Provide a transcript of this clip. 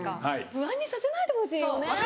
不安にさせないでほしいよね